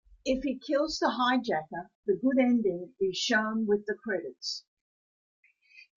If he kills the hijacker, the good ending is shown with the credits.